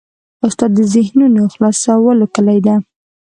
استاد د ذهنونو خلاصولو کلۍ ده.